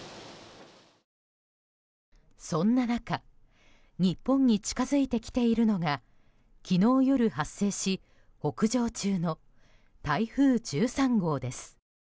そんな中日本に近づいてきているのが昨日夜発生し、北上中の台風１３号です。